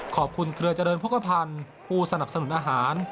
ขอบคุณเธอเจริญพกภัณฑ์ผู้สนับสนุนอาหาร